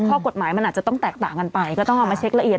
ข้อกฎหมายมันอาจจะต้องแตกต่างกันไปก็ต้องเอามาเช็คละเอียด